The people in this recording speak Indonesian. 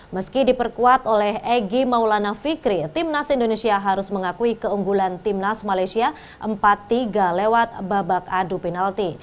meski diperkuat oleh egy maulana fikri timnas indonesia harus mengakui keunggulan timnas malaysia empat tiga lewat babak adu penalti